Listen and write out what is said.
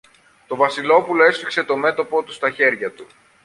Το Βασιλόπουλο έσφιξε το μέτωπο του στα χέρια του.